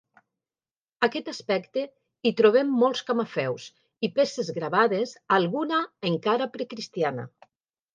Aquest aspecte hi trobem molts camafeus i peces gravades, alguna encara precristiana.